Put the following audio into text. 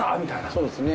そうですね。